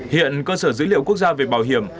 hiện cơ sở dữ liệu quốc gia về bảo hiểm